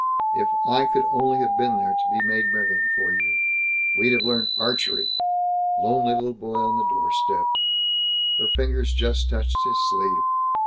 "If I could only have been there, to be Maid Marian for you! We'd have learned archery! Lonely little boy on the doorstep!" Her fingers just touched his sleeve.